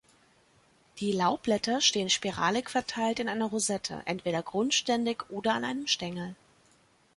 Die Laubblätter stehen spiralig verteilt in einer Rosette, entweder grundständig oder an einem Stängel.